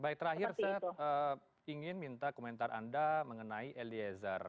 baik terakhir saya ingin minta komentar anda mengenai eliezer